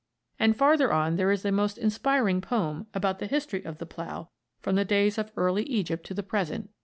And farther on there is a most inspiring poem about the history of the plough from the days of early Egypt to the present.